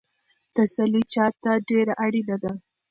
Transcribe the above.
تسلي چا ته ډېره اړینه ده؟